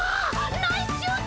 ナイスシュート！